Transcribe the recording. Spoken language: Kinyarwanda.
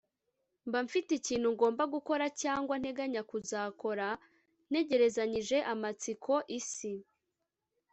mba mfite ikintu ngomba gukora cyangwa nteganya kuzakora. ntegerezanyije amatsiko isi